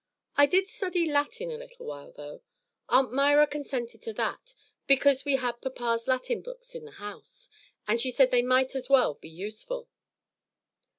I did study Latin a little while, though. Aunt Myra consented to that, because we had papa's Latin books in the house, and she said they might as well be useful."